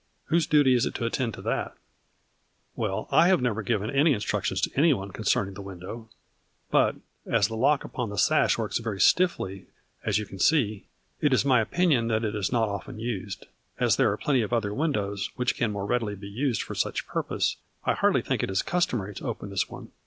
Whose duty is it to attend to that ?" "Well, I have never given any instructions to anyone concerning the window, but, as the lock upon the sash works very stiffly, as you can see, it is my opinion that it is not often used. As there are plenty of other windows which can more readily be used for such purpose, I hardly think it is customary to open this one.